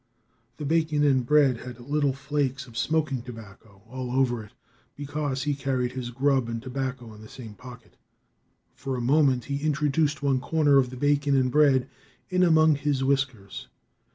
The bacon and bread had little flakes of smoking tobacco all over it, because he carried his grub and tobacco in the same pocket. For a moment he introduced one corner of the bacon and bread in among his whiskers.